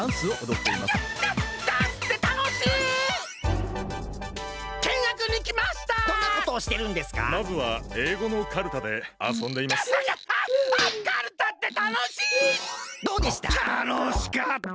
たのしかった！